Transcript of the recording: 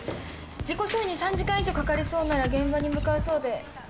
事故処理に３時間以上かかりそうなら現場に向かうそうで。